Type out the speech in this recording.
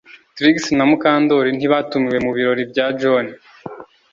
Trix na Mukandoli ntibatumiwe mu birori bya John